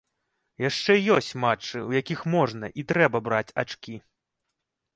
Яшчэ ёсць матчы, у якіх можна і трэба браць ачкі.